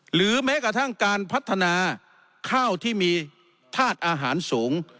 หรือแม้กระทั่งการพัฒนาข้าวที่มีธาตุอาหารสูง